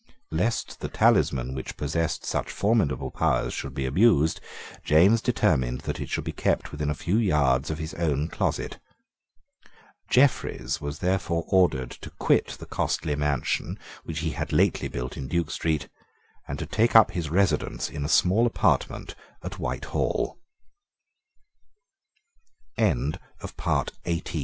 Lest the talisman which possessed such formidable powers should be abused, James determined that it should be kept within a few yards of his own closet. Jeffreys was therefore ordered to quit the costly mansion which he had lately built in Duke Street, and to take up his residence in a small ap